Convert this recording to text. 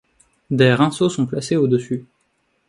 Des rinceaux sont placés au-dessus.